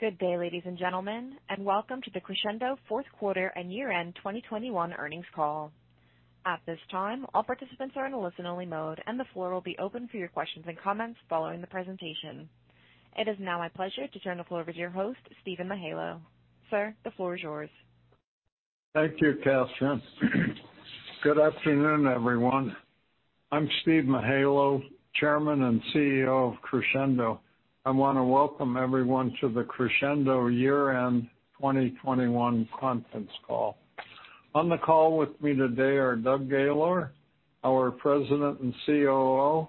Good day, ladies and gentlemen, and welcome to the Crexendo fourth quarter and year-end 2021 earnings call. At this time, all participants are in a listen-only mode, and the floor will be open for your questions and comments following the presentation. It is now my pleasure to turn the floor over to your host, Steven Mihaylo. Sir, the floor is yours. Thank you, Catherine. Good afternoon, everyone. I'm Steve Mihaylo, Chairman and CEO of Crexendo. I wanna welcome everyone to the Crexendo year-end 2021 conference call. On the call with me today are Doug Gaylor, our President and COO;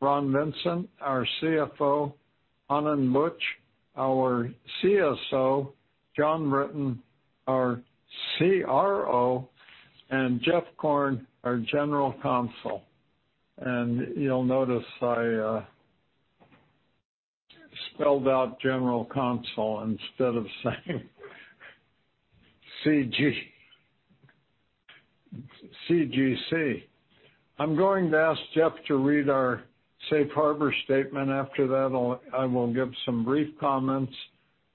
Ron Vincent, our CFO; Anand Buch, our CSO; Jon Brinton, our CRO; and Jeff Korn, our General Counsel. You'll notice I spelled out General Counsel instead of saying GC. I'm going to ask Jeff to read our safe harbor statement. After that I'll give some brief comments.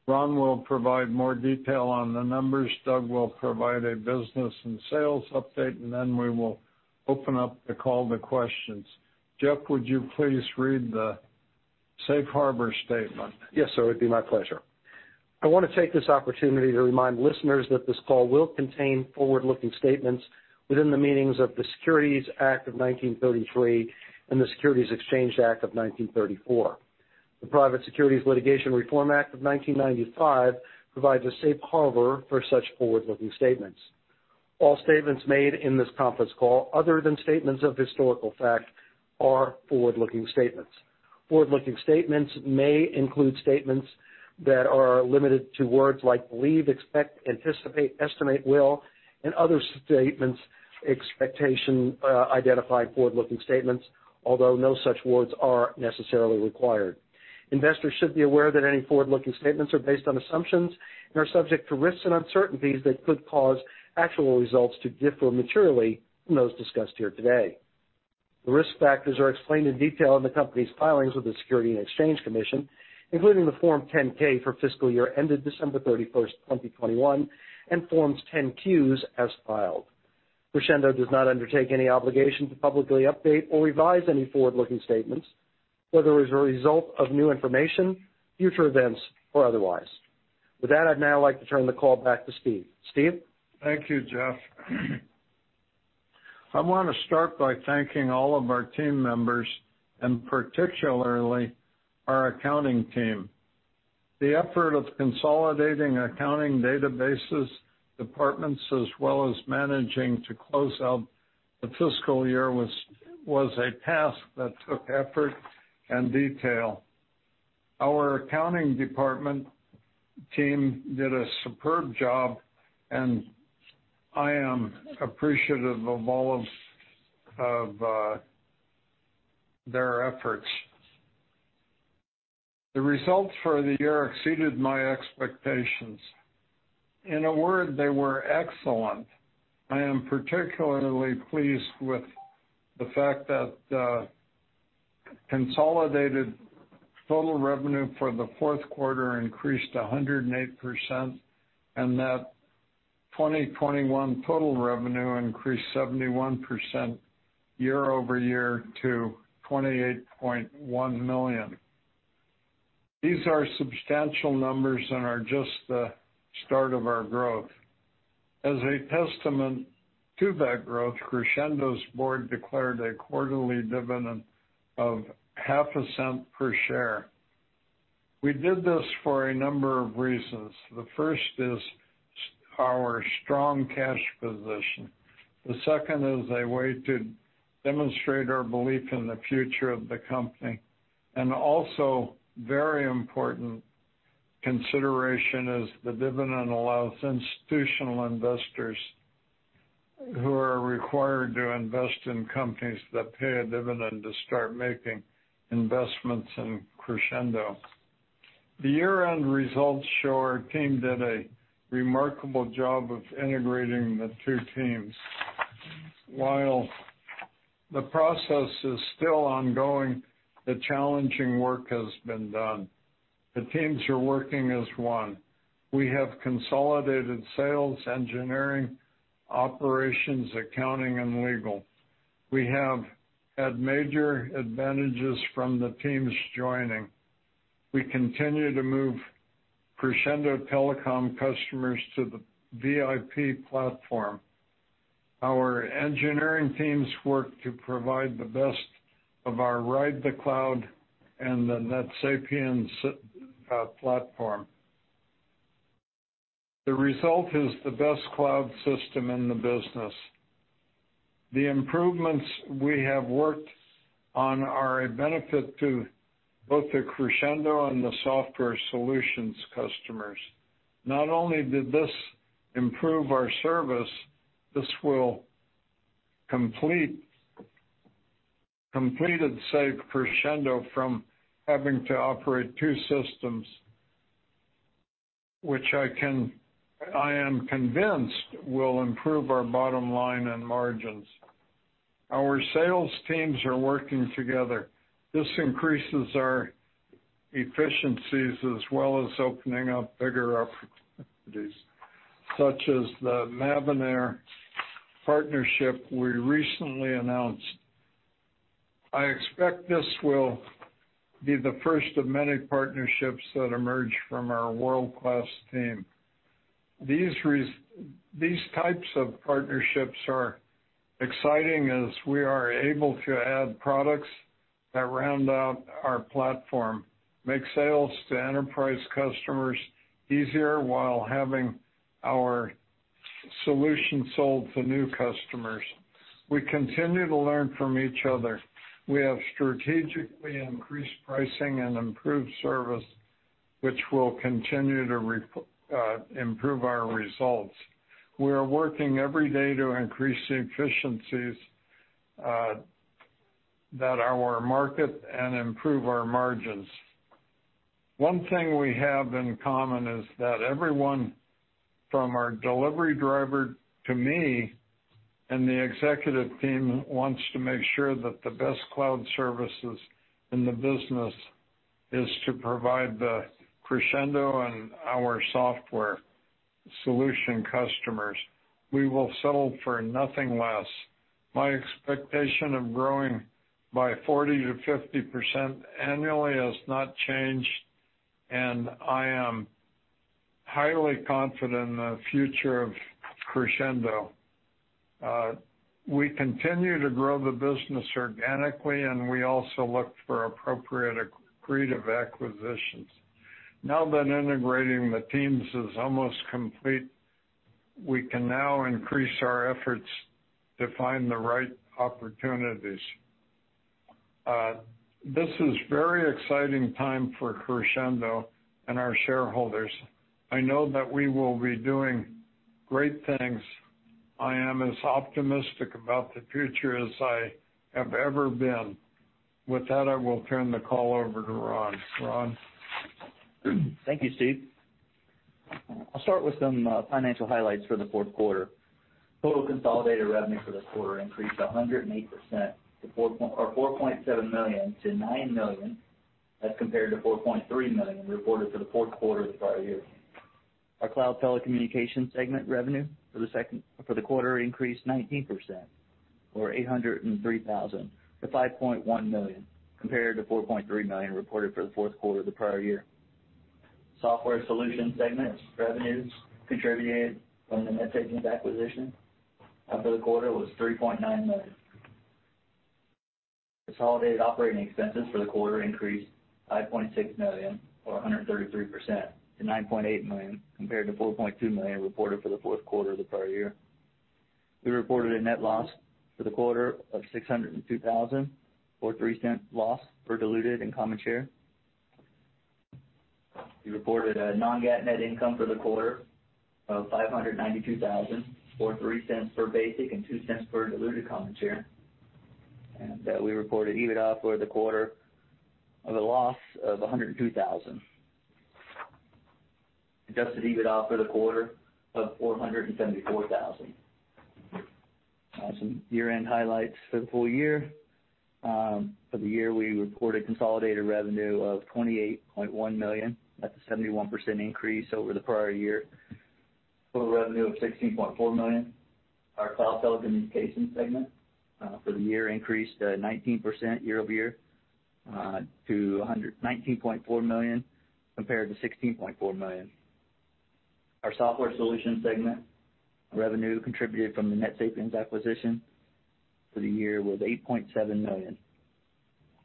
Ron will provide more detail on the numbers. Doug will provide a business and sales update, and then we will open up the call to questions. Jeff, would you please read the safe harbor statement? Yes, sir, it'd be my pleasure. I wanna take this opportunity to remind listeners that this call will contain forward-looking statements within the meanings of the Securities Act of 1933 and the Securities Exchange Act of 1934. The Private Securities Litigation Reform Act of 1995 provides a safe harbor for such forward-looking statements. All statements made in this conference call, other than statements of historical fact, are forward-looking statements. Forward-looking statements may include statements that are limited to words like believe, expect, anticipate, estimate, will, and other statements expectation, identify forward-looking statements, although no such words are necessarily required. Investors should be aware that any forward-looking statements are based on assumptions and are subject to risks and uncertainties that could cause actual results to differ materially from those discussed here today. The risk factors are explained in detail in the company's filings with the Securities and Exchange Commission, including the Form 10-K for fiscal year ended December 31st, 2021, and Forms 10-Q as filed. Crexendo does not undertake any obligation to publicly update or revise any forward-looking statements, whether as a result of new information, future events, or otherwise. With that, I'd now like to turn the call back to Steve. Steve? Thank you, Jeff. I wanna start by thanking all of our team members, and particularly our accounting team. The effort of consolidating accounting databases, departments, as well as managing to close out the fiscal year was a task that took effort and detail. Our accounting department team did a superb job, and I am appreciative of all their efforts. The results for the year exceeded my expectations. In a word, they were excellent. I am particularly pleased with the fact that consolidated total revenue for the fourth quarter increased 108%, and that 2021 total revenue increased 71% year-over-year to $28.1 million. These are substantial numbers and are just the start of our growth. As a testament to that growth, Crexendo's board declared a quarterly dividend of $0.005 per share. We did this for a number of reasons. The first is our strong cash position. The second is a way to demonstrate our belief in the future of the company. Also, very important consideration is the dividend allows institutional investors who are required to invest in companies that pay a dividend to start making investments in Crexendo. The year-end results show our team did a remarkable job of integrating the two teams. While the process is still ongoing, the challenging work has been done. The teams are working as one. We have consolidated sales, engineering, operations, accounting, and legal. We have had major advantages from the teams joining. We continue to move Crexendo Telecom customers to the VIP platform. Our engineering teams work to provide the best of our Ride the Cloud and the NetSapiens platform. The result is the best cloud system in the business. The improvements we have worked on are a benefit to both the Crexendo and the software solutions customers. Not only did this improve our service, this will completely save Crexendo from having to operate two systems. Which, I am convinced, will improve our bottom line and margins. Our sales teams are working together. This increases our efficiencies as well as opening up bigger opportunities, such as the Mavenir partnership we recently announced. I expect this will be the first of many partnerships that emerge from our world-class team. These types of partnerships are exciting as we are able to add products that round out our platform, make sales to enterprise customers easier while having our solution sold to new customers. We continue to learn from each other. We have strategically increased pricing and improved service, which will continue to improve our results. We are working every day to increase the efficiencies in our markets and improve our margins. One thing we have in common is that everyone from our delivery driver to me and the executive team wants to make sure that the best cloud services in the business are provided to Crexendo and our software solution customers. We will settle for nothing less. My expectation of growing by 40%-50% annually has not changed, and I am highly confident in the future of Crexendo. We continue to grow the business organically, and we also look for appropriate accretive acquisitions. Now that integrating the teams is almost complete, we can now increase our efforts to find the right opportunities. This is a very exciting time for Crexendo and our shareholders. I know that we will be doing great things. I am as optimistic about the future as I have ever been. With that, I will turn the call over to Ron. Ron? Thank you, Steve. I'll start with some financial highlights for the fourth quarter. Total consolidated revenue for the quarter increased 108% or $4.7 million to $9 million, as compared to $4.3 million reported for the fourth quarter of the prior year. Our cloud telecommunications segment revenue for the quarter increased 19% or $803,000 to $5.1 million, compared to $4.3 million reported for the fourth quarter of the prior year. Software solution segment revenues contributed from the NetSapiens acquisition for the quarter was $3.9 million. Consolidated operating expenses for the quarter increased $5.6 million or 133% to $9.8 million, compared to $4.2 million reported for the fourth quarter of the prior year. We reported a net loss for the quarter of $602,000, or $0.03 loss per diluted and common share. We reported a non-GAAP net income for the quarter of $592,000 or $0.03 per basic and $0.02 per diluted common share. We reported EBITDA for the quarter of a loss of $102,000. Adjusted EBITDA for the quarter of $474,000. Some year-end highlights for the full year. For the year, we reported consolidated revenue of $28.1 million. That's a 71% increase over the prior year. Total revenue of $16.4 million. Our cloud telecommunications segment for the year increased 19% year-over-year to $19.4 million compared to $16.4 million. Our software solutions segment revenue contributed from the NetSapiens acquisition for the year was $8.7 million.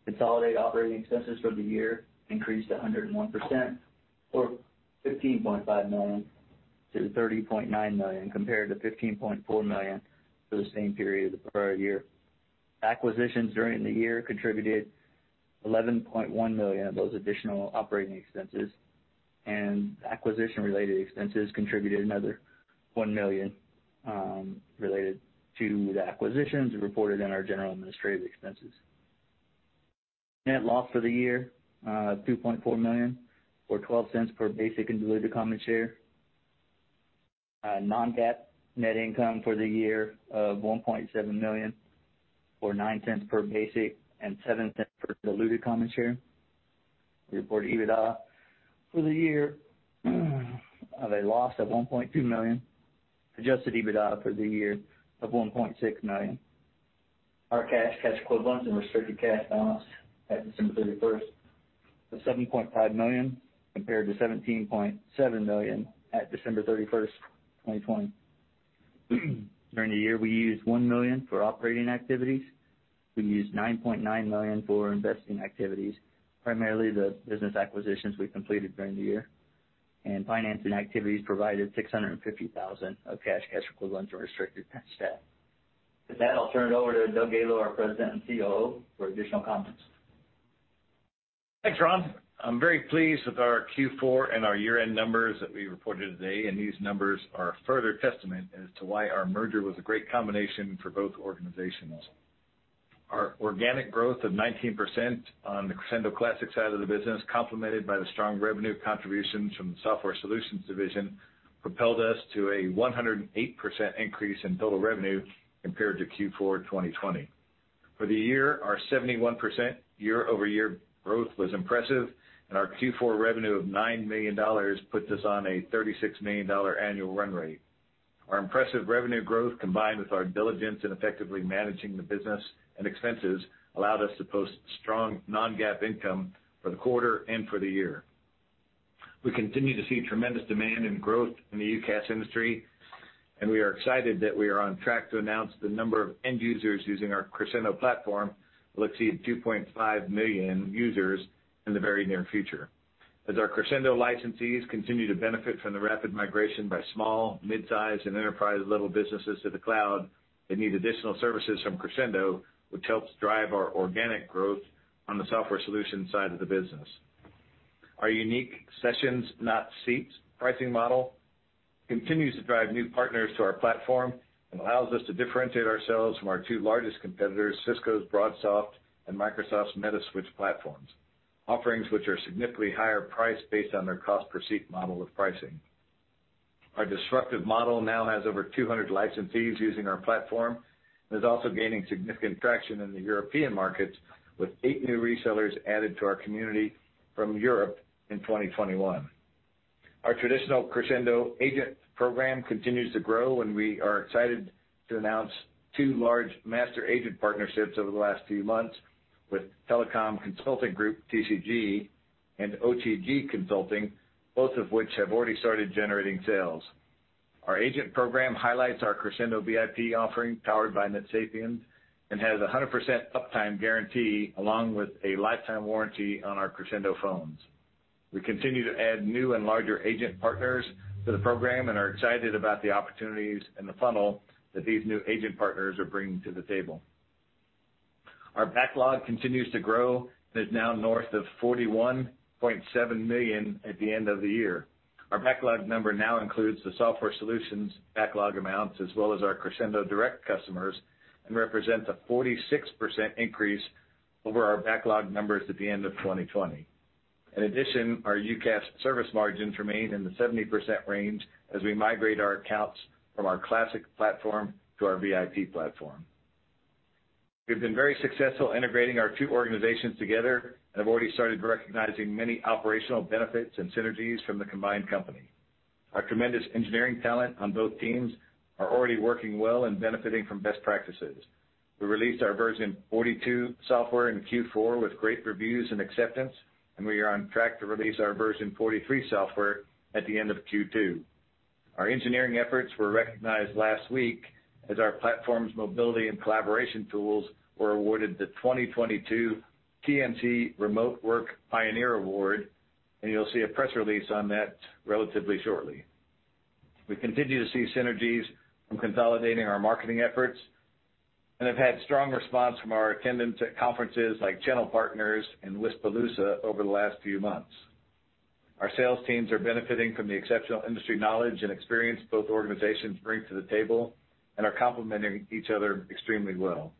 Consolidated operating expenses for the year increased 101% or $15.5 million to $30.9 million compared to $15.4 million for the same period of the prior year. Acquisitions during the year contributed $11.1 million of those additional operating expenses and acquisition-related expenses contributed another $1 million related to the acquisitions reported in our general administrative expenses. Net loss for the year $2.4 million or $0.12 per basic and diluted common share. Non-GAAP net income for the year of $1.7 million or $0.09 per basic and $0.07 per diluted common share. We report EBITDA for the year of a loss of $1.2 million. Adjusted EBITDA for the year of $1.6 million. Our cash equivalents, and restricted cash balance at December 31st was $7.5 million compared to $17.7 million at December 31st, 2020. During the year, we used $1 million for operating activities. We used $9.9 million for investing activities, primarily the business acquisitions we completed during the year. Financing activities provided $650,000 of cash equivalents, or restricted cash at that. I'll turn it over to Doug Gaylor, our President and COO, for additional comments. Thanks, Ron. I'm very pleased with our Q4 and our year-end numbers that we reported today, and these numbers are a further testament as to why our merger was a great combination for both organizations. Our organic growth of 19% on the Crexendo Classic side of the business, complemented by the strong revenue contributions from the Software Solutions division, propelled us to a 108% increase in total revenue compared to Q4 2020. For the year, our 71% year-over-year growth was impressive, and our Q4 revenue of $9 million puts us on a $36 million annual run rate. Our impressive revenue growth, combined with our diligence in effectively managing the business and expenses, allowed us to post strong non-GAAP income for the quarter and for the year. We continue to see tremendous demand and growth in the UCaaS industry, and we are excited that we are on track to announce the number of end users using our Crexendo platform will exceed 2.5 million users in the very near future. As our Crexendo licensees continue to benefit from the rapid migration by small, midsize, and enterprise-level businesses to the cloud, they need additional services from Crexendo, which helps drive our organic growth on the Software Solution side of the business. Our unique sessions-not-seats pricing model continues to drive new partners to our platform and allows us to differentiate ourselves from our two largest competitors, Cisco's BroadSoft and Microsoft's Metaswitch platforms, offerings which are significantly higher priced based on their cost-per-seat model of pricing. Our disruptive model now has over 200 licensees using our platform and is also gaining significant traction in the European markets, with eight new resellers added to our community from Europe in 2021. Our traditional Crexendo agent program continues to grow, and we are excited to announce two large master agent partnerships over the last few months with Telecom Consulting Group, TCG, and OTG Consulting, both of which have already started generating sales. Our agent program highlights our Crexendo VIP offering, powered by NetSapiens, and has 100% uptime guarantee, along with a lifetime warranty on our Crexendo phones. We continue to add new and larger agent partners to the program and are excited about the opportunities in the funnel that these new agent partners are bringing to the table. Our backlog continues to grow and is now north of $41.7 million at the end of the year. Our backlog number now includes the software solutions backlog amounts, as well as our Crexendo direct customers, and represents a 46% increase over our backlog numbers at the end of 2020. In addition, our UCaaS service margins remain in the 70% range as we migrate our accounts from our Classic platform to our VIP platform. We've been very successful integrating our two organizations together and have already started recognizing many operational benefits and synergies from the combined company. Our tremendous engineering talent on both teams are already working well and benefiting from best practices. We released our version 42 software in Q4 with great reviews and acceptance, and we are on track to release our version 43 software at the end of Q2. Our engineering efforts were recognized last week as our platform's mobility and collaboration tools were awarded the 2022 TMCnet Remote Work Pioneer Award, and you'll see a press release on that relatively shortly. We continue to see synergies from consolidating our marketing efforts and have had strong response from our attendance at conferences like Channel Partners and WISPAPALOOZA over the last few months. Our sales teams are benefiting from the exceptional industry knowledge and experience both organizations bring to the table and are complementing each other extremely well.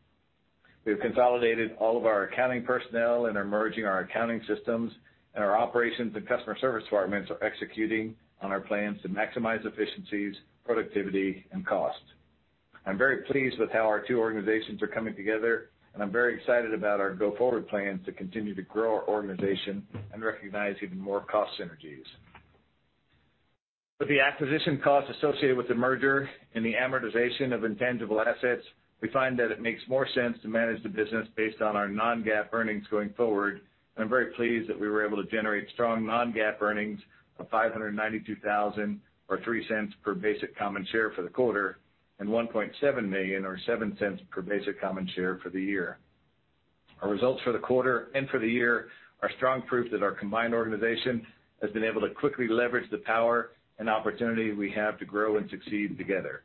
We've consolidated all of our accounting personnel and are merging our accounting systems, and our operations and customer service departments are executing on our plans to maximize efficiencies, productivity, and cost. I'm very pleased with how our two organizations are coming together, and I'm very excited about our go-forward plans to continue to grow our organization and recognize even more cost synergies. With the acquisition costs associated with the merger and the amortization of intangible assets, we find that it makes more sense to manage the business based on our non-GAAP earnings going forward, and I'm very pleased that we were able to generate strong non-GAAP earnings of $592,000, or $0.03 per basic common share for the quarter, and $1.7 million, or $0.07 per basic common share for the year. Our results for the quarter and for the year are strong proof that our combined organization has been able to quickly leverage the power and opportunity we have to grow and succeed together.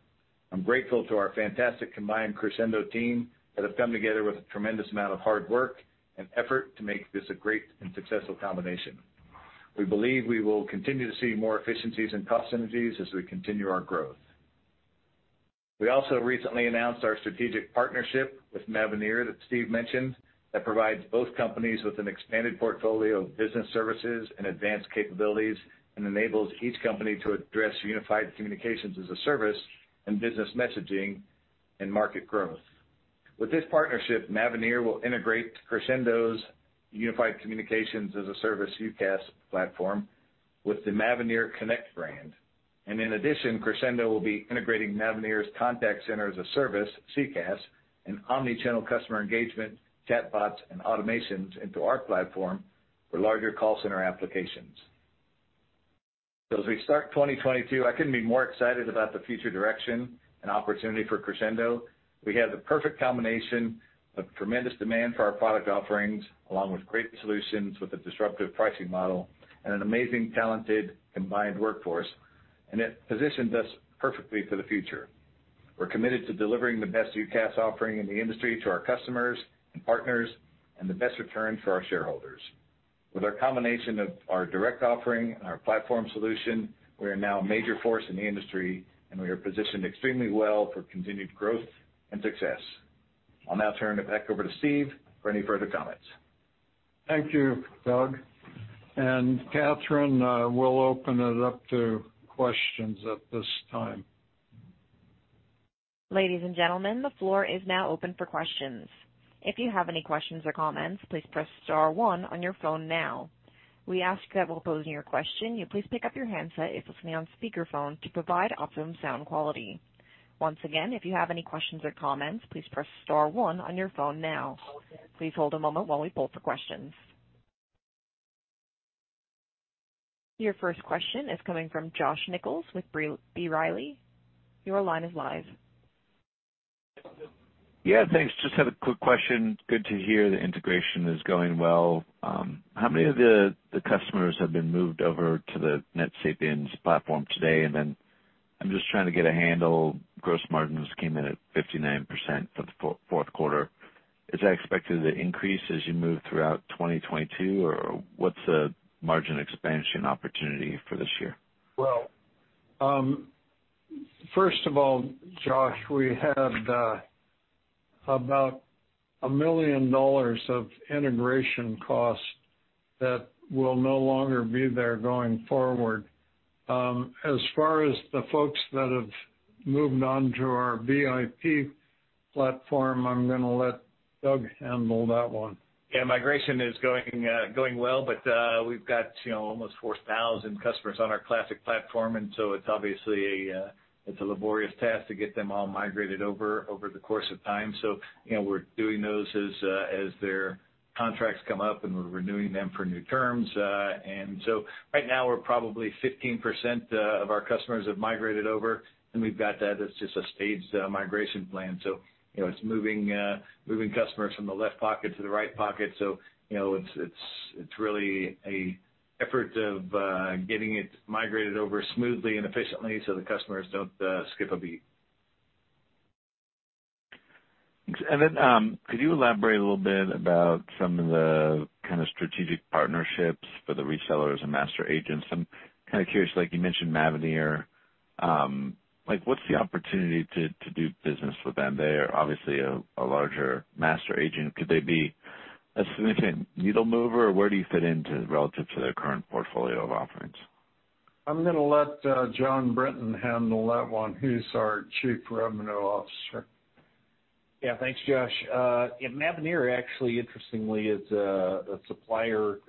I'm grateful to our fantastic combined Crexendo team that have come together with a tremendous amount of hard work and effort to make this a great and successful combination. We believe we will continue to see more efficiencies and cost synergies as we continue our growth. We also recently announced our strategic partnership with Mavenir that Steve mentioned, that provides both companies with an expanded portfolio of business services and advanced capabilities and enables each company to address unified communications as a service and business messaging and market growth. With this partnership, Mavenir will integrate Crexendo's unified communications as a service, UCaaS, platform with the Mavenir Connect brand. Crexendo will be integrating Mavenir's contact center as a service, CCaaS, and omni-channel customer engagement, chatbots, and automations into our platform for larger call center applications. As we start 2022, I couldn't be more excited about the future direction and opportunity for Crexendo. We have the perfect combination of tremendous demand for our product offerings, along with great solutions with a disruptive pricing model and an amazing, talented, combined workforce, and it positions us perfectly for the future. We're committed to delivering the best UCaaS offering in the industry to our customers and partners and the best return for our shareholders. With our combination of our direct offering and our platform solution, we are now a major force in the industry, and we are positioned extremely well for continued growth and success. I'll now turn it back over to Steve for any further comments. Thank you, Doug. Catherine, we'll open it up to questions at this time. Ladies and gentlemen, the floor is now open for questions. If you have any questions or comments, please press star one on your phone now. We ask that while posing your question, you please pick up your handset if you're on speakerphone to provide optimum sound quality. Once again, if you have any questions or comments, please press star one on your phone now. Please hold a moment while we poll for questions. Your first question is coming from Josh Nichols with B. Riley. Your line is live. Yeah, thanks. Just had a quick question. Good to hear the integration is going well. How many of the customers have been moved over to the NetSapiens platform today? I'm just trying to get a handle, gross margins came in at 59% for the fourth quarter. Is that expected to increase as you move throughout 2022, or what's the margin expansion opportunity for this year? Well, first of all, Josh, we had about $1 million of integration costs that will no longer be there going forward. As far as the folks that have moved on to our VIP platform, I'm gonna let Doug handle that one. Yeah, migration is going well, but we've got, you know, almost 4,000 customers on our Classic platform, and so it's obviously a laborious task to get them all migrated over the course of time. You know, we're doing those as their contracts come up, and we're renewing them for new terms. Right now we're probably 15% of our customers have migrated over, and we've got that as just a staged migration plan. You know, it's moving customers from the left pocket to the right pocket. You know, it's really an effort of getting it migrated over smoothly and efficiently so the customers don't skip a beat. Could you elaborate a little bit about some of the kinda strategic partnerships for the resellers and master agents? I'm kinda curious, like you mentioned Mavenir. Like what's the opportunity to do business with them? They are obviously a larger master agent. Could they be a significant needle mover, or where do you fit into relative to their current portfolio of offerings? I'm gonna let Jon Brinton handle that one. He's our Chief Revenue Officer. Yeah, thanks, Josh. Mavenir actually interestingly is a supplier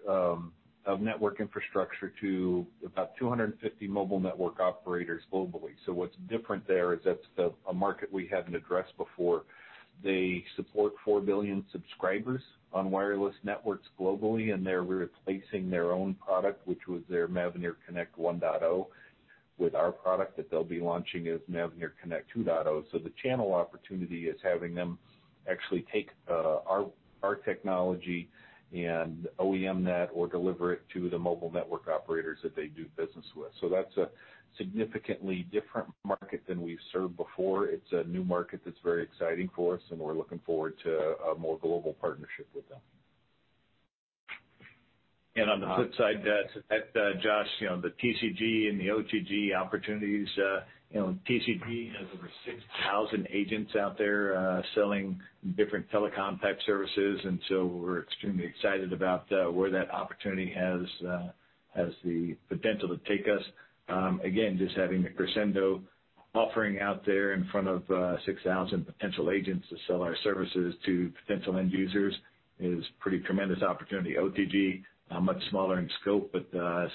of network infrastructure to about 250 mobile network operators globally. What's different there is that's a market we haven't addressed before. They support 4 billion subscribers on wireless networks globally, and they're replacing their own product, which was their Mavenir Connect 1.0 with our product that they'll be launching as Mavenir Connect 2.0. The channel opportunity is having them actually take our technology and OEM that or deliver it to the mobile network operators that they do business with. That's a significantly different market than we've served before. It's a new market that's very exciting for us, and we're looking forward to a more global partnership with them. On the flip side, Josh, you know, the TCG and the OTG opportunities, you know, TCG has over 6,000 agents out there, selling different telecom type services, and so we're extremely excited about where that opportunity has the potential to take us. Again, just having the Crexendo offering out there in front of 6,000 potential agents to sell our services to potential end users is pretty tremendous opportunity. OTG, much smaller in scope, but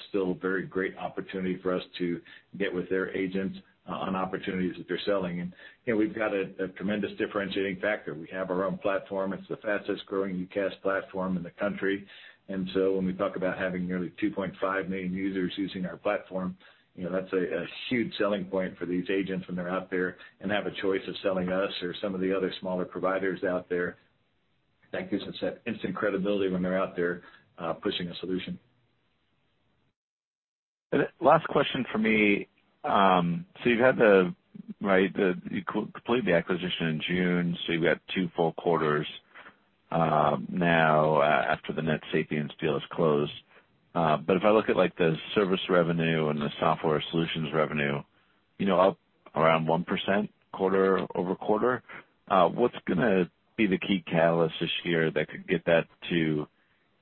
still very great opportunity for us to get with their agents on opportunities that they're selling. You know, we've got a tremendous differentiating factor. We have our own platform. It's the fastest-growing UCaaS platform in the country. When we talk about having nearly 2.5 million users using our platform, you know, that's a huge selling point for these agents when they're out there and have a choice of selling us or some of the other smaller providers out there. That gives us that instant credibility when they're out there, pushing a solution. Last question from me. You completed the acquisition in June, so you've got two full quarters now after the NetSapiens deal is closed. If I look at like the service revenue and the software solutions revenue, you know, up around 1% quarter-over-quarter, what's gonna be the key catalyst this year that could get that to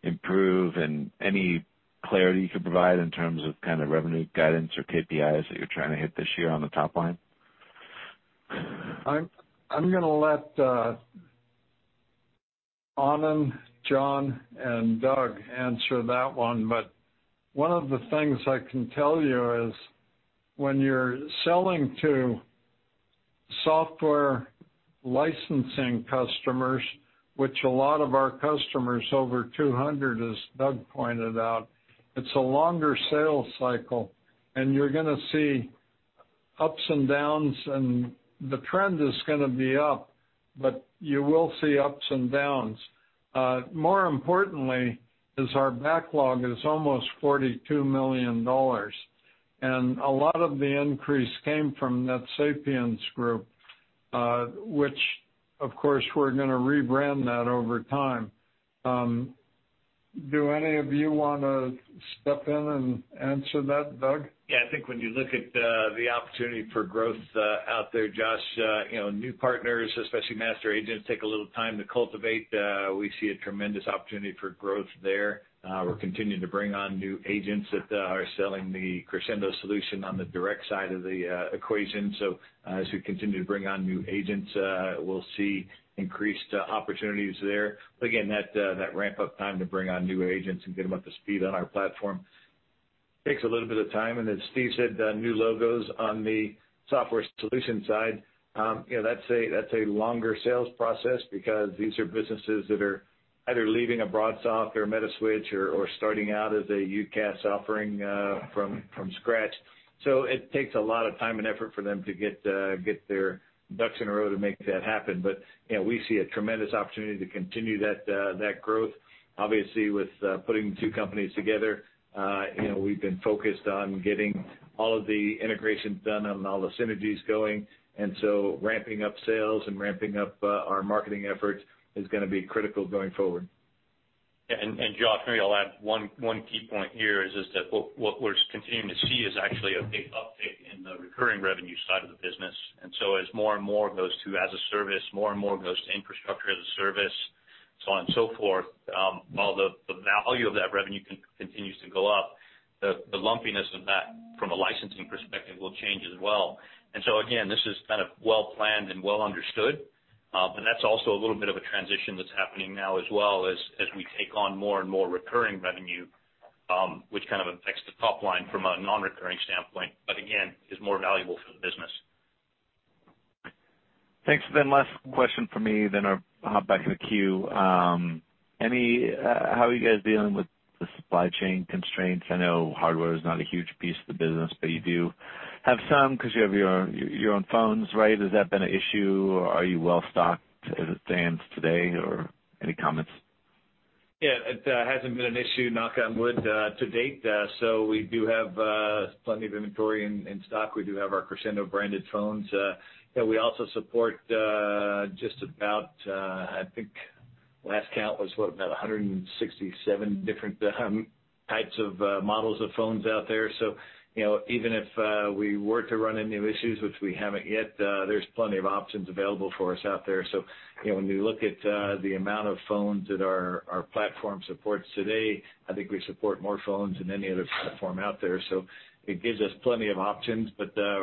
improve and any clarity you could provide in terms of kind of revenue guidance or KPIs that you're trying to hit this year on the top line? I'm gonna let Anand, Jon, and Doug answer that one. One of the things I can tell you is when you're selling to software licensing customers, which a lot of our customers, over 200 as Doug pointed out, it's a longer sales cycle, and you're gonna see ups and downs, and the trend is gonna be up, but you will see ups and downs. More importantly is our backlog is almost $42 million. A lot of the increase came from that NetSapiens, which of course we're gonna rebrand that over time. Do any of you wanna step in and answer that, Doug? Yeah. I think when you look at the opportunity for growth out there, Josh, you know, new partners, especially master agents, take a little time to cultivate. We see a tremendous opportunity for growth there. We're continuing to bring on new agents that are selling the Crexendo solution on the direct side of the equation. As we continue to bring on new agents, we'll see increased opportunities there. Again, that ramp up time to bring on new agents and get them up to speed on our platform takes a little bit of time. As Steve said, new logos on the software solution side, you know, that's a longer sales process because these are businesses that are either leaving a BroadSoft or Metaswitch or starting out as a UCaaS offering from scratch. It takes a lot of time and effort for them to get their ducks in a row to make that happen. You know, we see a tremendous opportunity to continue that growth. Obviously, with putting two companies together, you know, we've been focused on getting all of the integration done and all the synergies going, and so ramping up sales and ramping up our marketing efforts is gonna be critical going forward. Yeah. Josh, maybe I'll add one key point here is that what we're continuing to see is actually a big uptick in the recurring revenue side of the business. As more and more goes to as a service, more and more goes to infrastructure as a service, so on and so forth, while the value of that revenue continues to go up, the lumpiness of that from a licensing perspective will change as well. Again, this is kind of well-planned and well understood, and that's also a little bit of a transition that's happening now as well as we take on more and more recurring revenue, which kind of affects the top line from a non-recurring standpoint, but again is more valuable for the business. Thanks. Last question for me, then I'll hop back in the queue. How are you guys dealing with the supply chain constraints? I know hardware is not a huge piece of the business, but you do have some 'cause you have your own phones, right? Has that been an issue, or are you well stocked as it stands today, or any comments? Yeah. It hasn't been an issue, knock on wood, to date. We do have plenty of inventory in stock. We do have our Crexendo branded phones. You know, we also support just about, I think last count was, what, about 167 different types of models of phones out there. You know, even if we were to run into issues, which we haven't yet, there's plenty of options available for us out there. You know, when we look at the amount of phones that our platform supports today, I think we support more phones than any other platform out there. It gives us plenty of options.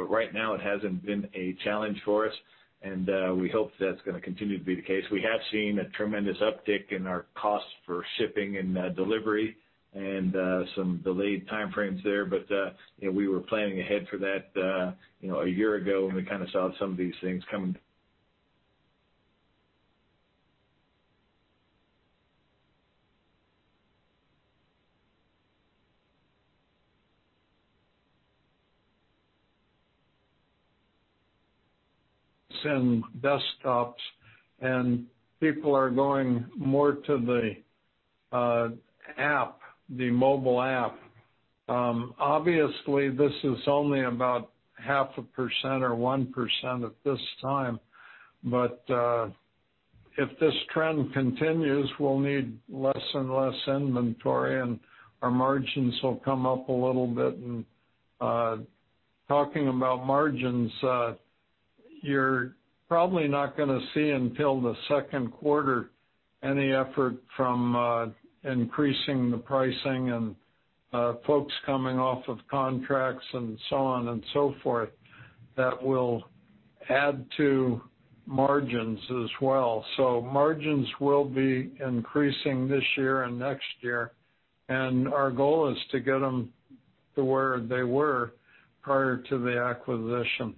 Right now, it hasn't been a challenge for us, and we hope that's gonna continue to be the case. We have seen a tremendous uptick in our costs for shipping and delivery and some delayed timeframes there, but you know, we were planning ahead for that, you know, a year ago when we kinda saw some of these things coming. Send desktops, and people are going more to the app, the mobile app. Obviously, this is only about 0.5% or 1% at this time, but if this trend continues, we'll need less and less inventory, and our margins will come up a little bit. Talking about margins, you're probably not gonna see until the second quarter any effort from increasing the pricing and folks coming off of contracts and so on and so forth that will add to margins as well. Margins will be increasing this year and next year, and our goal is to get them to where they were prior to the acquisition.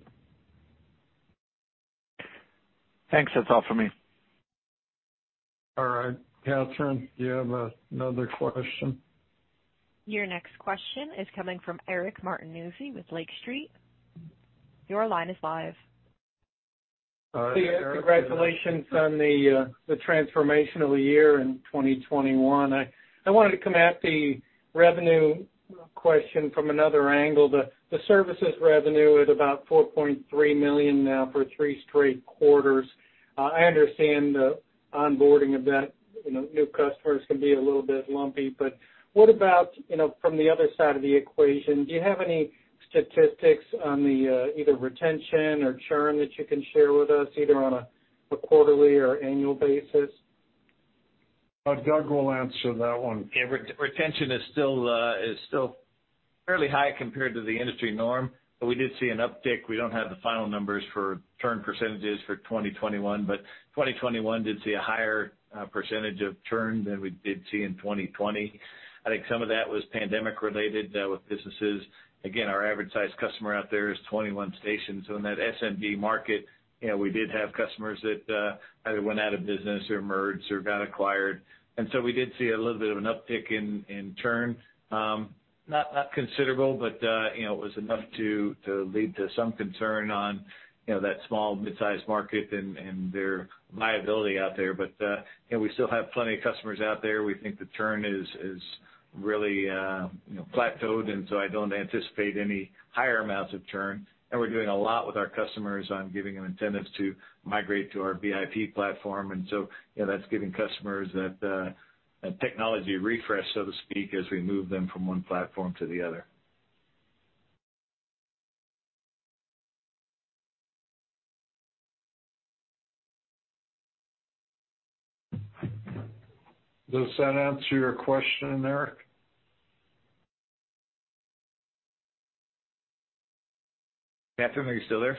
Thanks. That's all for me. All right. Catherine, do you have another question? Your next question is coming from Eric Martinuzzi with Lake Street. Your line is live. All right, Eric. Steve, congratulations on the transformation of the year in 2021. I wanted to come at the revenue question from another angle. The services revenue at about $4.3 million now for three straight quarters. I understand the onboarding of that, you know, new customers can be a little bit lumpy. What about, you know, from the other side of the equation, do you have any statistics on the either retention or churn that you can share with us, either on a quarterly or annual basis? Doug will answer that one. Yeah. Retention is still fairly high compared to the industry norm, but we did see an uptick. We don't have the final numbers for churn percentages for 2021, but 2021 did see a higher percentage of churn than we did see in 2020. I think some of that was pandemic related with businesses. Again, our average size customer out there is 21 stations. So in that SMB market, you know, we did have customers that either went out of business or merged or got acquired. We did see a little bit of an uptick in churn. Not considerable, but you know, it was enough to lead to some concern. You know, that small midsize market and their viability out there. You know, we still have plenty of customers out there. We think the churn is really, you know, plateaued, and so I don't anticipate any higher amounts of churn. We're doing a lot with our customers on giving them incentives to migrate to our VIP platform. You know, that's giving customers that technology refresh, so to speak, as we move them from one platform to the other. Does that answer your question, Eric? Catherine, are you still there?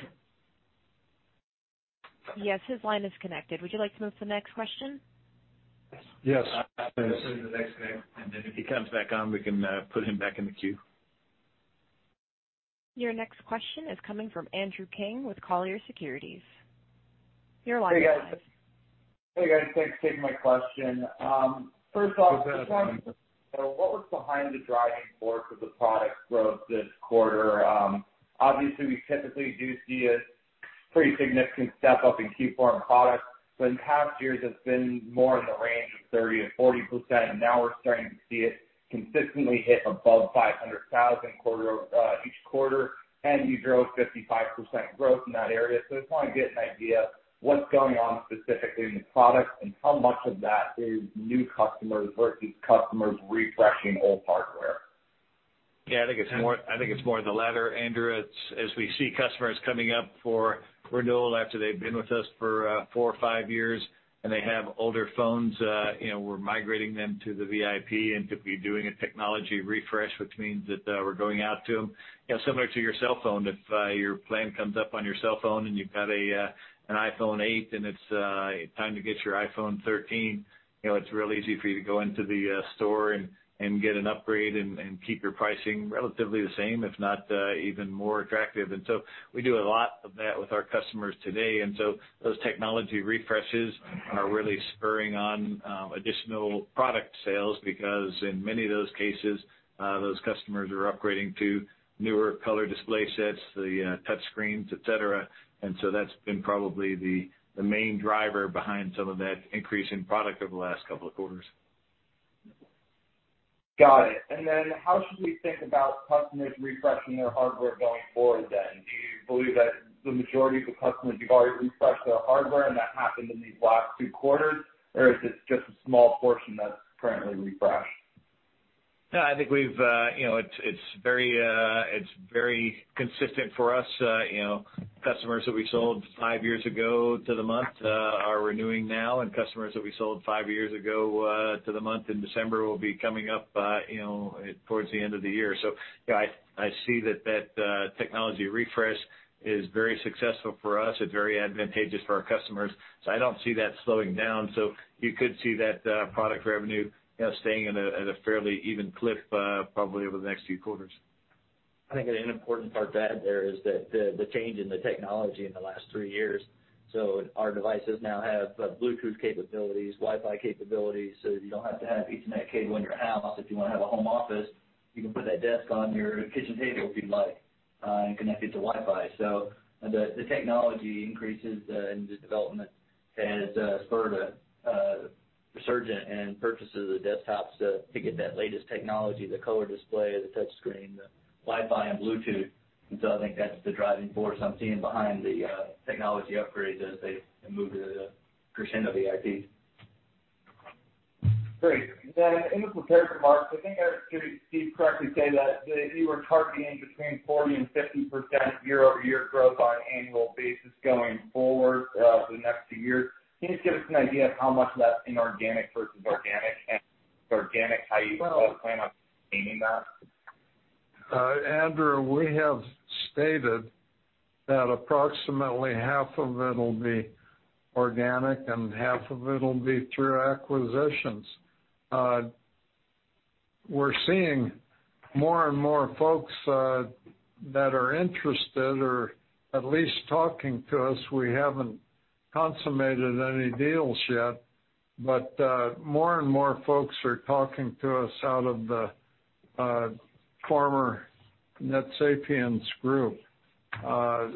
Yes, his line is connected. Would you like to move to the next question? Yes, please. Let's go to the next guy, and then if he comes back on, we can put him back in the queue. Your next question is coming from Andrew King with Colliers Securities. Your line is live. Hey, guys. Thanks for taking my question. First off. Go ahead. What was behind the driving force of the product growth this quarter? Obviously we typically do see a pretty significant step up in Q4 on products, but in past years, it's been more in the range of 30%-40%. Now we're starting to see it consistently hit above 500,000 each quarter. You drove 55% growth in that area. I just wanna get an idea of what's going on specifically in the product and how much of that is new customers versus customers refreshing old hardware. Yeah, I think it's more the latter, Andrew. It's as we see customers coming up for renewal after they've been with us for four or five years, and they have older phones, you know, we're migrating them to the VIP and to be doing a technology refresh, which means that we're going out to them. You know, similar to your cell phone, if your plan comes up on your cell phone and you've got an iPhone 8 and it's time to get your iPhone 13, you know, it's real easy for you to go into the store and get an upgrade and keep your pricing relatively the same, if not even more attractive. We do a lot of that with our customers today. Those technology refreshes are really spurring on additional product sales because in many of those cases, those customers are upgrading to newer color display sets, the touch screens, et cetera. That's been probably the main driver behind some of that increase in product over the last couple of quarters. Got it. How should we think about customers refreshing their hardware going forward then? Do you believe that the majority of the customers have already refreshed their hardware and that happened in these last two quarters? Is this just a small portion that's currently refreshed? No, I think we've you know it's very consistent for us. You know, customers that we sold five years ago to the month are renewing now, and customers that we sold five years ago to the month in December will be coming up you know towards the end of the year. You know, I see that technology refresh is very successful for us. It's very advantageous for our customers, so I don't see that slowing down. You could see that product revenue you know staying at a fairly even clip probably over the next few quarters. I think an important part to add there is that the change in the technology in the last three years. Our devices now have Bluetooth capabilities, Wi-Fi capabilities, so you don't have to have Ethernet cable in your house. If you wanna have a home office, you can put that desk on your kitchen table if you'd like, and connect it to Wi-Fi. The technology increases, and the development has spurred a resurgence in purchases of desktops to get that latest technology, the color display, the touch screen, the Wi-Fi and Bluetooth. I think that's the driving force I'm seeing behind the technology upgrades as they move to the Crexendo VIP. Great. In the prepared remarks, I think I heard you, Steve, correctly say that that you were targeting between 40% and 50% year-over-year growth on an annual basis going forward over the next few years. Can you just give us an idea of how much of that's inorganic versus organic? Organic, how you plan on maintaining that? Andrew, we have stated that approximately half of it'll be organic and half of it'll be through acquisitions. We're seeing more and more folks that are interested or at least talking to us. We haven't consummated any deals yet, but more and more folks are talking to us out of the former NetSapiens group. As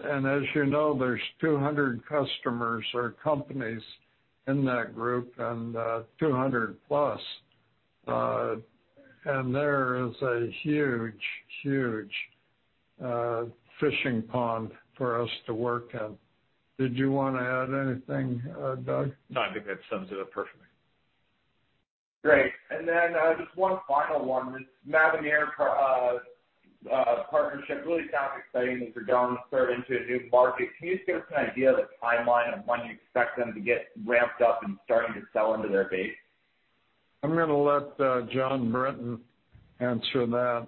you know, there's 200 customers or companies in that group and 200+. There is a huge, huge fishing pond for us to work in. Did you wanna add anything, Doug? No, I think that sums it up perfectly. Great. Just one final one. The Mavenir partnership really sounds exciting as you're going sort of into a new market. Can you just give us an idea of the timeline of when you expect them to get ramped up and starting to sell into their base? I'm gonna let, Jon Brinton answer that.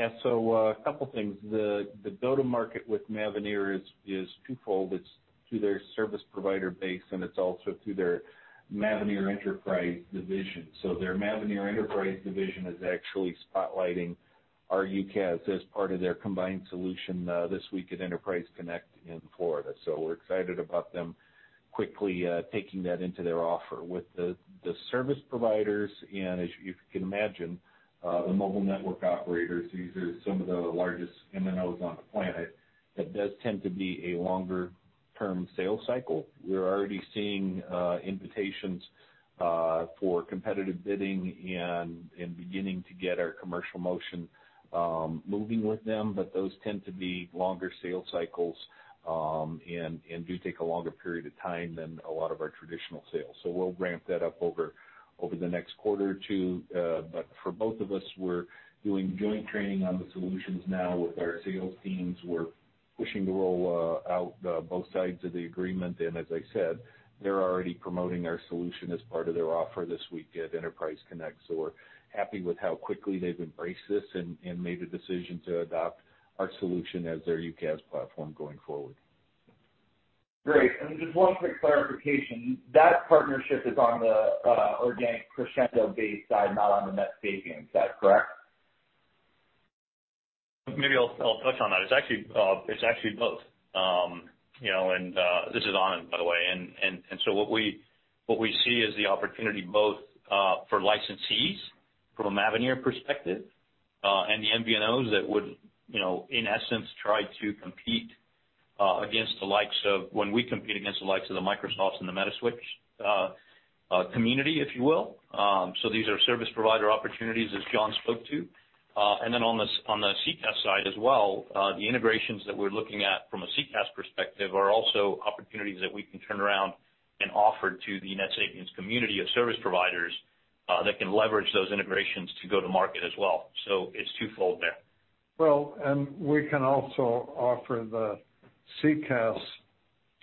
Yeah. So, a couple things. The go-to-market with Mavenir is twofold. It's through their service provider base, and it's also through their Mavenir Enterprise division. Their Mavenir Enterprise division is actually spotlighting our UCaaS as part of their combined solution this week at Enterprise Connect in Florida. We're excited about them quickly taking that into their offer. With the service providers and as you can imagine, the mobile network operators, these are some of the largest MNOs on the planet, that does tend to be a longer-term sales cycle. We're already seeing invitations for competitive bidding and beginning to get our commercial motion moving with them, but those tend to be longer sales cycles and do take a longer period of time than a lot of our traditional sales. We'll ramp that up over the next quarter or two. But for both of us, we're doing joint training on the solutions now with our sales teams. We're pushing to roll out both sides of the agreement. As I said, they're already promoting our solution as part of their offer this week at Enterprise Connect. We're happy with how quickly they've embraced this and made the decision to adopt our solution as their UCaaS platform going forward. Great. Just one quick clarification, that partnership is on the organic Crexendo-based side, not on the NetSapiens, is that correct? Maybe I'll touch on that. It's actually both. You know, this is Anand, by the way. So what we see is the opportunity both for licensees from a Mavenir perspective and the MVNOs that would, you know, in essence, try to compete against the likes of the Microsofts and the Metaswitch community, if you will. So these are service provider opportunities, as John spoke to. Then on the CCaaS side as well, the integrations that we're looking at from a CCaaS perspective are also opportunities that we can turn around and offer to the NetSapiens community of service providers that can leverage those integrations to go to market as well. So it's twofold there. Well, we can also offer the CCaaS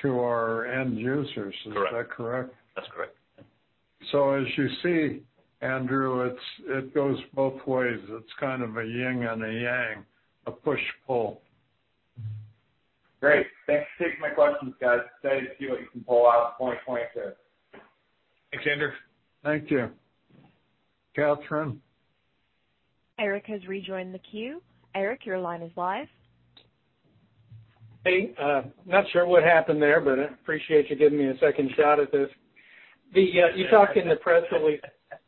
to our end users. Correct. Is that correct? That's correct. As you see, Andrew, it's, it goes both ways. It's kind of a yin and yang, a push-pull. Great. Thanks for taking my questions, guys. Excited to see what you can pull out at some point there. Thanks, Andrew. Thank you. Catherine? Eric has rejoined the queue. Eric, your line is live. Hey, not sure what happened there, but I appreciate you giving me a second shot at this. You talked in the press release.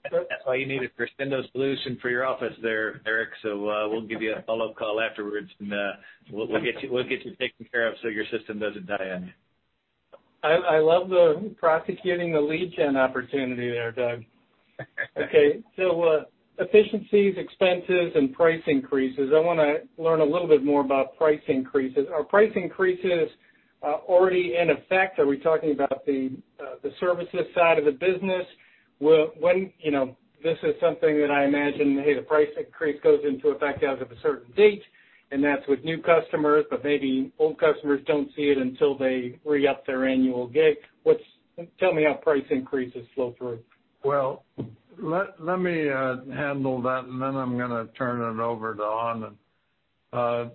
That's why you need a Crexendo solution for your office there, Eric. We'll give you a follow-up call afterwards, and we'll get you taken care of so your system doesn't die on you. I love pursuing the lead gen opportunity there, Doug. Okay. Efficiencies, expenses, and price increases. I want to learn a little bit more about price increases. Are price increases already in effect? Are we talking about the services side of the business? You know, this is something that I imagine, hey, the price increase goes into effect as of a certain date, and that's with new customers, but maybe old customers don't see it until they re-up their annual gig. Tell me how price increases flow through. Well, let me handle that, and then I'm gonna turn it over to Anand.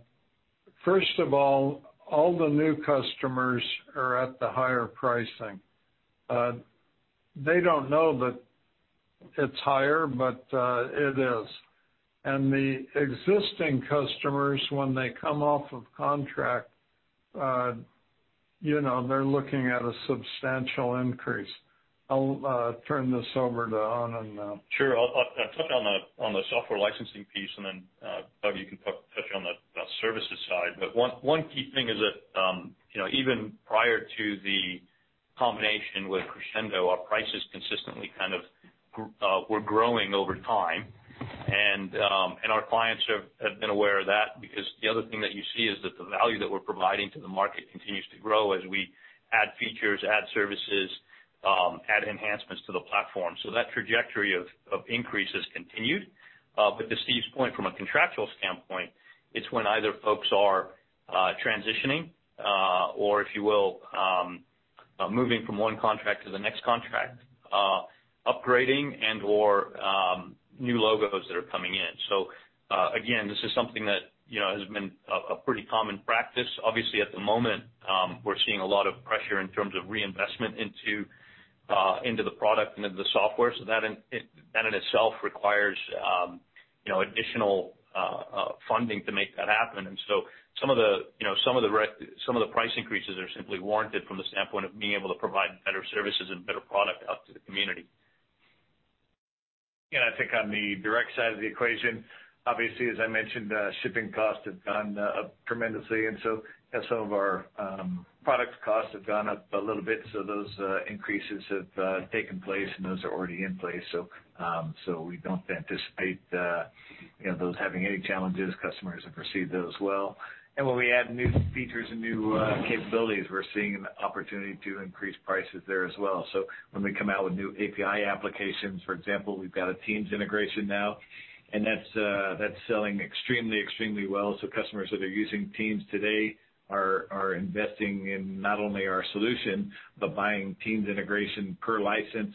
First of all the new customers are at the higher pricing. They don't know that it's higher, but it is. The existing customers, when they come off of contract, you know, they're looking at a substantial increase. I'll turn this over to Anand now. Sure. I'll touch on the software licensing piece, and then, Doug, you can touch on the services side. One key thing is that even prior to the combination with Crexendo, our prices consistently kind of were growing over time. Our clients have been aware of that because the other thing that you see is that the value that we're providing to the market continues to grow as we add features, add services, add enhancements to the platform. That trajectory of increase has continued. But to Steve's point from a contractual standpoint, it's when either folks are transitioning or, if you will, moving from one contract to the next contract, upgrading and/or new logos that are coming in. So, again, this is something that, you know, has been a pretty common practice. Obviously, at the moment, we're seeing a lot of pressure in terms of reinvestment into the product and into the software, so that in itself requires, you know, additional funding to make that happen. Some of the, you know, price increases are simply warranted from the standpoint of being able to provide better services and better product out to the community. I think on the direct side of the equation, obviously, as I mentioned, shipping costs have gone up tremendously, and some of our product costs have gone up a little bit. Those increases have taken place, and those are already in place. We don't anticipate, you know, those having any challenges. Customers have received those well. When we add new features and new capabilities, we're seeing an opportunity to increase prices there as well. When we come out with new API applications, for example, we've got a Teams integration now, and that's selling extremely well. Customers that are using Teams today are investing in not only our solution, but buying Teams integration per license,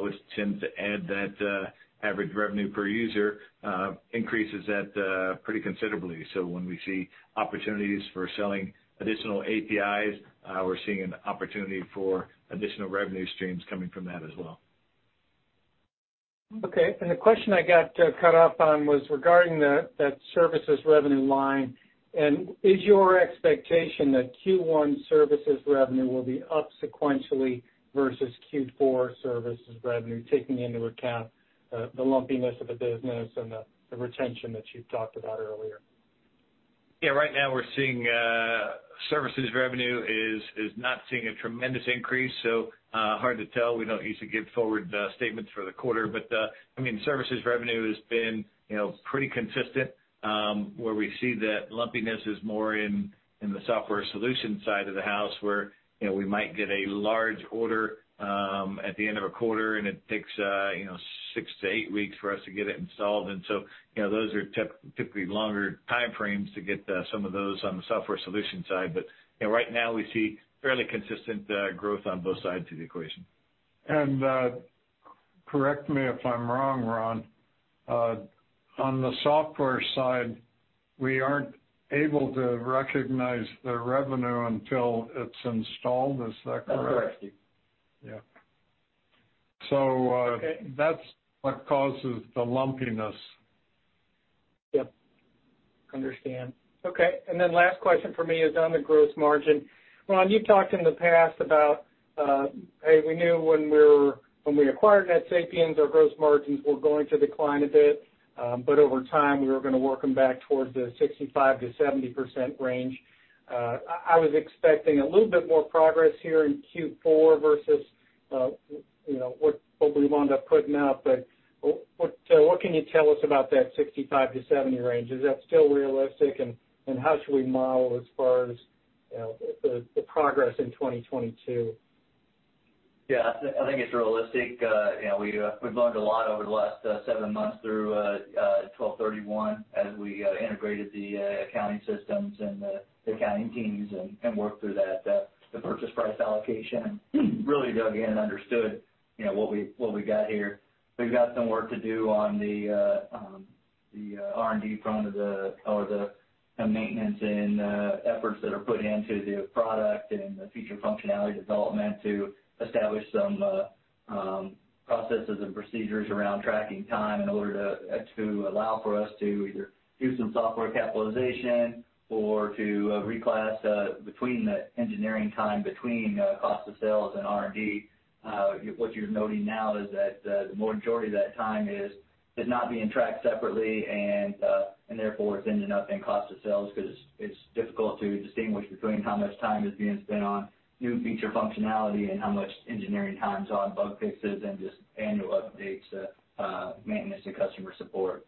which tends to add that average revenue per user increases that pretty considerably. When we see opportunities for selling additional APIs, we're seeing an opportunity for additional revenue streams coming from that as well. Okay. The question I got, cut off on was regarding the services revenue line. Is your expectation that Q1 services revenue will be up sequentially versus Q4 services revenue, taking into account the lumpiness of the business and the retention that you've talked about earlier? Right now, we're seeing services revenue is not seeing a tremendous increase, so hard to tell. We don't usually give forward-looking statements for the quarter. I mean, services revenue has been you know pretty consistent, where we see that lumpiness is more in the software solution side of the house where you know we might get a large order at the end of a quarter and it takes you know six to eight weeks for us to get it installed. You know those are typically longer time frames to get some of those on the software solution side. You know right now we see fairly consistent growth on both sides of the equation. Correct me if I'm wrong, Ron. On the software side, we aren't able to recognize the revenue until it's installed. Is that correct? That's correct. Yeah. Okay. That's what causes the lumpiness. Yep. Understand. Okay. Then last question for me is on the gross margin. Ron, you've talked in the past about we knew when we acquired NetSapiens, our gross margins were going to decline a bit, but over time, we were gonna work them back towards the 65%-70% range. I was expecting a little bit more progress here in Q4 versus what we wound up putting up. So what can you tell us about that 65%-70% range? Is that still realistic? And how should we model as far as the progress in 2022? Yeah. I think it's realistic. You know, we've learned a lot over the last seven months through December 31 as we integrated the accounting systems and the accounting teams and worked through that the purchase price allocation, really dug in and understood, you know, what we got here. We've got some work to do on the R&D front or the maintenance and efforts that are put into the product and the future functionality development to establish some processes and procedures around tracking time in order to allow for us to either do some software capitalization or to reclass between the engineering time between cost of sales and R&D. What you're noting now is that the majority of that time is not being tracked separately, and therefore it's ending up in cost of sales 'cause it's difficult to distinguish between how much time is being spent on new feature functionality and how much engineering time is on bug fixes and just annual updates, maintenance and customer support,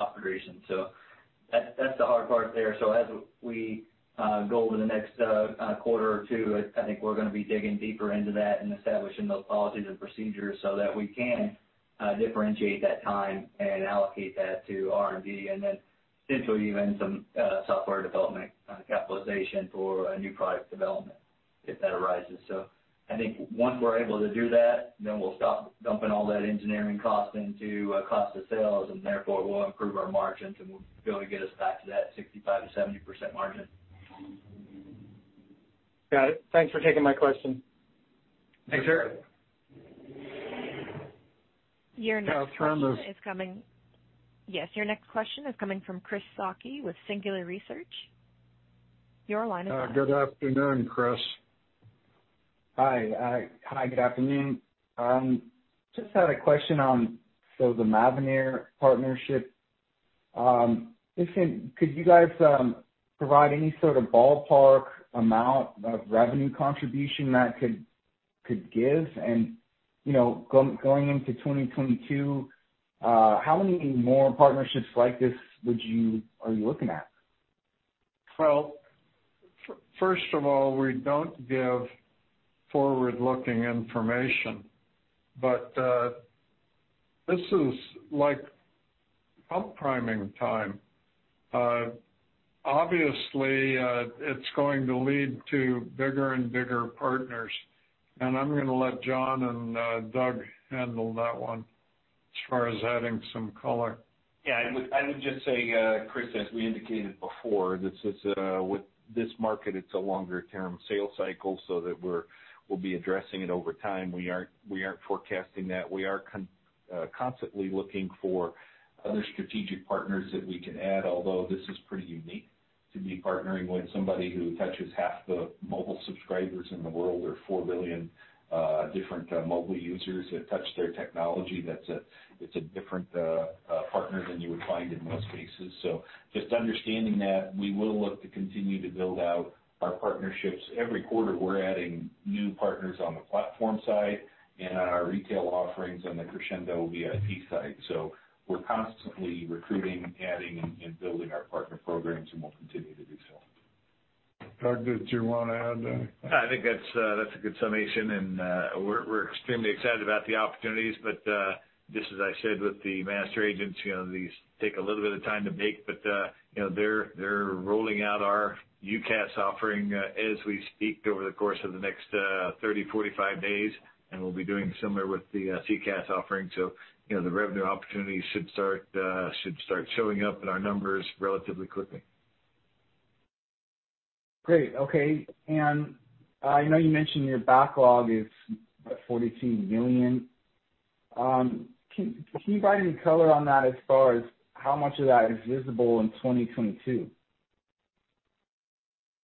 operation. That's the hard part there. As we go over the next quarter or two, I think we're gonna be digging deeper into that and establishing those policies and procedures so that we can differentiate that time and allocate that to R&D, and then potentially even some software development capitalization for a new product development if that arises. I think once we're able to do that, then we'll stop dumping all that engineering cost into cost of sales, and therefore it will improve our margins, and we'll be able to get us back to that 65%-70% margin. Got it. Thanks for taking my question. Thanks, Eric. Your next question is coming. Yeah. Yes. Your next question is coming from Chris Sakai with Singular Research. Your line is live. Good afternoon, Chris. Hi, good afternoon. Just had a question on the Mavenir partnership. Could you guys provide any sort of ballpark amount of revenue contribution that could give? You know, going into 2022, how many more partnerships like this are you looking at? Well, first of all, we don't give forward-looking information. This is like pump priming time. Obviously, it's going to lead to bigger and bigger partners. I'm gonna let Jon and Doug handle that one as far as adding some color. Yeah. I would just say, Chris, as we indicated before, this is with this market, it's a longer-term sales cycle, so we'll be addressing it over time. We aren't forecasting that. We are constantly looking for other strategic partners that we can add, although this is pretty unique to be partnering with somebody who touches half the mobile subscribers in the world or 4 billion different mobile users that touch their technology. It's a different partner than you would find in most cases. Just understanding that we will look to continue to build out our partnerships. Every quarter, we're adding new partners on the platform side and on our retail offerings on the Crexendo VIP side. We're constantly recruiting, adding, and building our partner programs, and we'll continue to do so. Doug, did you wanna add anything? I think that's a good summation, and we're extremely excited about the opportunities. Just as I said with the master agents, you know, these take a little bit of time to bake, but you know, they're rolling out our UCaaS offering as we speak over the course of the next 30, 45 days, and we'll be doing similar with the CCaaS offering. You know, the revenue opportunities should start showing up in our numbers relatively quickly. Great. Okay. I know you mentioned your backlog is, what, $42 million. Can you provide any color on that as far as how much of that is visible in 2022?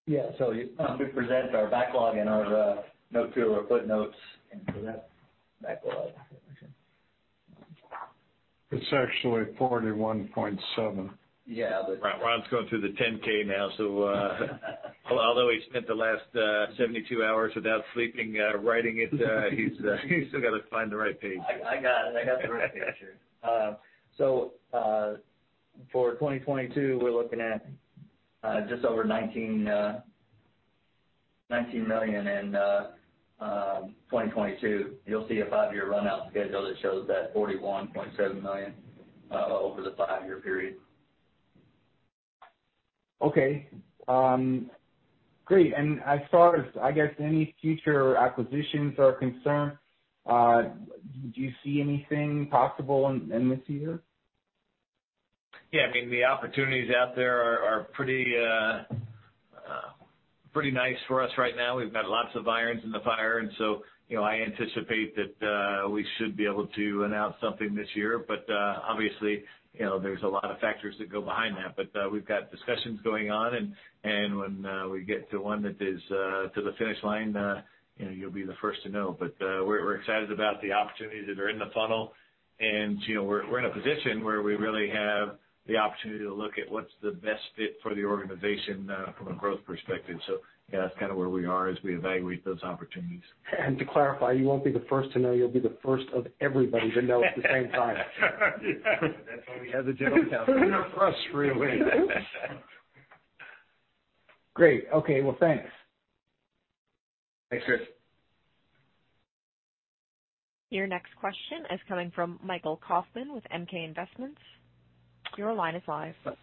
Yeah. We present our backlog in our note, too, or footnotes into that backlog. It's actually $41.7 million. Yeah, but- Ron's going through the 10-K now, so although he spent the last 72 hours without sleeping writing it, he's still gotta find the right page. I got it. I got the right page here. For 2022, we're looking at just over $19 million in 2022. You'll see a five-year run out schedule that shows $41.7 million over the five-year period. Okay. Great. As far as, I guess, any future acquisitions are concerned, do you see anything possible in this year? Yeah. I mean, the opportunities out there are pretty nice for us right now. We've got lots of irons in the fire, and so, you know, I anticipate that we should be able to announce something this year. Obviously, you know, there's a lot of factors that go behind that. We've got discussions going on, and when we get to one that is to the finish line, you know, you'll be the first to know. We're excited about the opportunities that are in the funnel. You know, we're in a position where we really have the opportunity to look at what's the best fit for the organization from a growth perspective. Yeah, that's kinda where we are as we evaluate those opportunities. To clarify, you won't be the first to know. You'll be the first of everybody to know at the same time. That's why we have the General Counsel. You're first, really. Great. Okay. Well, thanks. Thanks, Chris. Your next question is coming from Michael Kaufman with MK Investments. Your line is live. Steve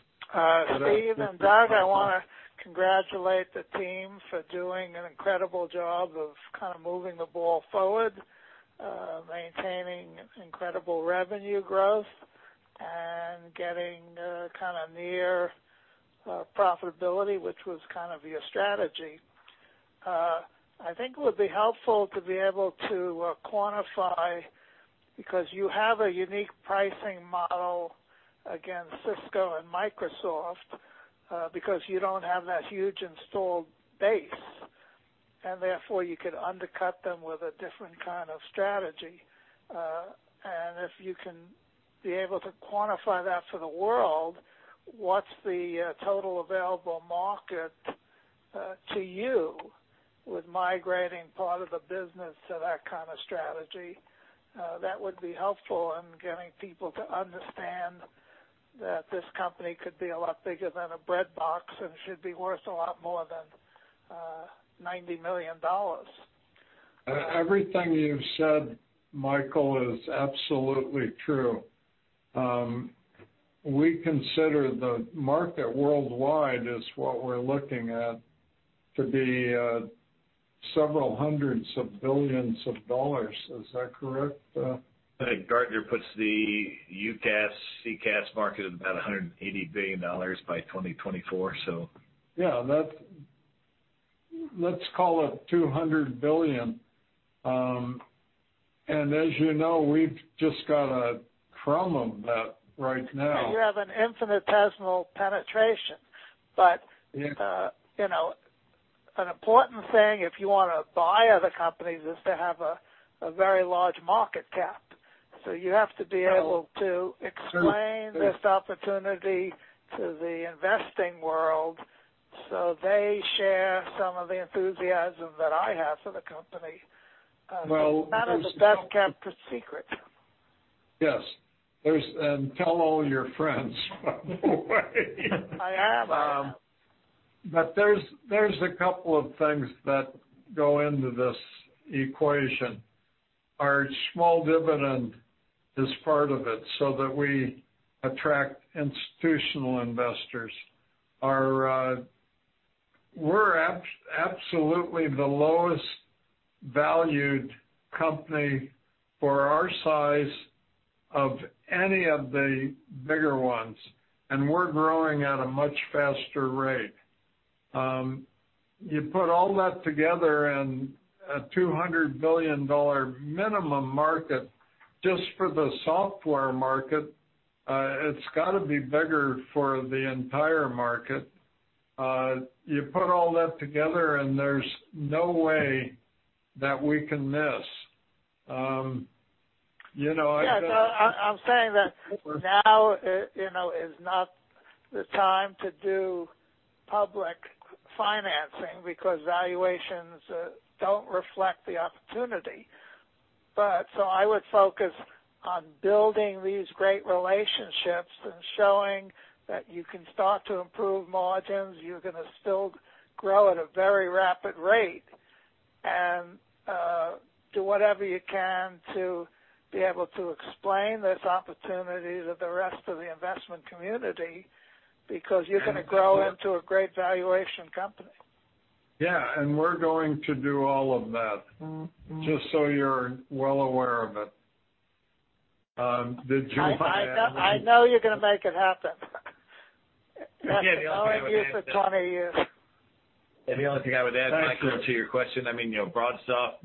and Doug, I wanna congratulate the team for doing an incredible job of kind of moving the ball forward, maintaining incredible revenue growth and getting kinda near profitability, which was kind of your strategy. I think it would be helpful to be able to quantify, because you have a unique pricing model against Cisco and Microsoft, because you don't have that huge installed base, and therefore, you could undercut them with a different kind of strategy. If you can be able to quantify that for the world, what's the total available market to you with migrating part of the business to that kind of strategy, that would be helpful in getting people to understand that this company could be a lot bigger than a breadbox and should be worth a lot more than $90 million. Everything you've said, Michael, is absolutely true. We consider the market worldwide as what we're looking at to be several hundred billion dollars. Is that correct? I think Gartner puts the UCaaS, CCaaS market at about $180 billion by 2024, so. Let's call it $200 billion. As you know, we've just got a crumb of that right now. You have an infinitesimal penetration, but. Yeah You know, an important thing if you wanna buy other companies is to have a very large market cap. You have to be able to explain this opportunity to the investing world, so they share some of the enthusiasm that I have for the company. Well. It's kind of the best-kept secret. Yes. Tell all your friends by the way. I am. There's a couple of things that go into this equation. Our small dividend is part of it, so that we attract institutional investors. We're absolutely the lowest valued company for our size of any of the bigger ones, and we're growing at a much faster rate. You put all that together and a $200 billion minimum market just for the software market, it's gotta be bigger for the entire market. You put all that together and there's no way that we can miss. You know, I- Yeah. No, I'm saying that now, you know, is not the time to do public financing because valuations don't reflect the opportunity. I would focus on building these great relationships and showing that you can start to improve margins. You're gonna still grow at a very rapid rate, and do whatever you can to be able to explain this opportunity to the rest of the investment community, because you're gonna grow into a great valuation company. Yeah, we're going to do all of that. Mm. Mm. Just so you're well aware of it. I know you're gonna make it happen. Again, the only thing I would add. I've known you for 20 years. The only thing I would add, Michael, to your question, I mean, you know, BroadSoft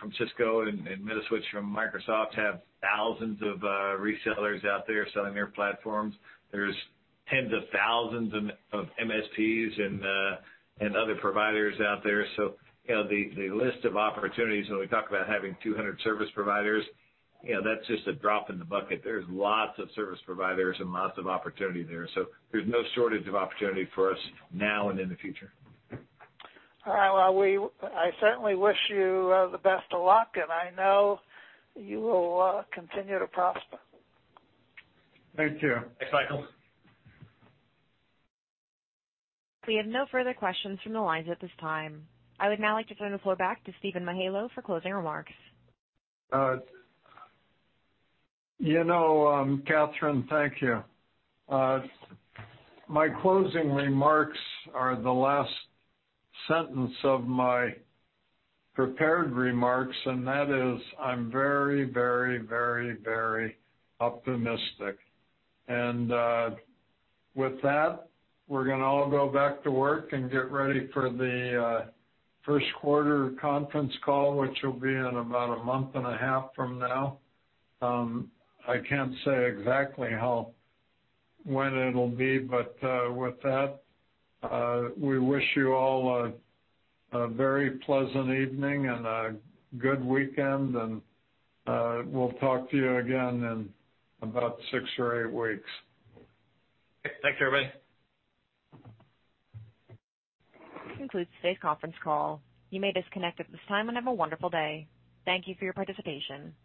from Cisco and Metaswitch from Microsoft have thousands of resellers out there selling their platforms. There's tens of thousands of MSPs and other providers out there. You know, the list of opportunities when we talk about having 200 service providers, you know, that's just a drop in the bucket. There's lots of service providers and lots of opportunity there. There's no shortage of opportunity for us now and in the future. All right. Well, I certainly wish you the best of luck, and I know you will continue to prosper. Thank you. Thanks, Michael. We have no further questions from the lines at this time. I would now like to turn the floor back to Steven Mihaylo for closing remarks. You know, Catherine, thank you. My closing remarks are the last sentence of my prepared remarks, and that is, I'm very optimistic. With that, we're gonna all go back to work and get ready for the first quarter conference call, which will be in about a month and a half from now. I can't say exactly when it'll be, but with that, we wish you all a very pleasant evening and a good weekend, and we'll talk to you again in about six or eight weeks. Thanks, everybody. This concludes today's conference call. You may disconnect at this time and have a wonderful day. Thank you for your participation.